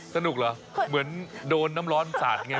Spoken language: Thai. สนุกเหรอเหมือนโดนน้ำร้อนสาดไง